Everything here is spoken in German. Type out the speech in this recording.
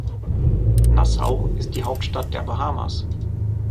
Nassau ist die Hauptstadt der Bahamas.